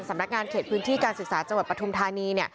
สำนักงานเขตพื้นที่การศึกษาจังหวัดปฐุมธานี